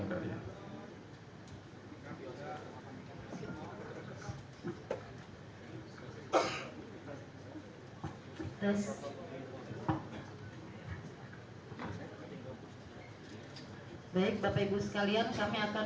baik bapak ibu sekalian kami akan